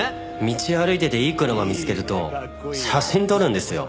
道歩いてていい車見つけると写真撮るんですよ。